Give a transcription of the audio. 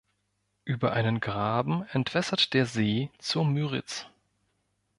Über einen Graben entwässert der See zur Müritz.